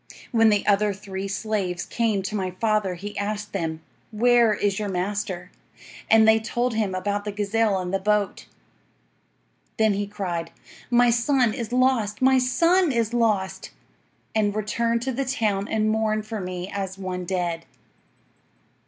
"'When the other three slaves came to my father, he asked them, "Where is your master?" and they told him about the gazelle and the boat. Then he cried, "My son is lost! My son is lost!" and returned to the town and mourned for me as one dead.